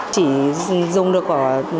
chỉ dùng được ở